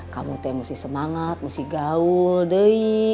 kamu tuh yang mesti semangat mesti gaul dewi